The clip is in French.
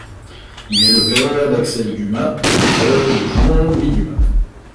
Il est le père d'Axel Dumas et le frère de Jean-Louis Dumas.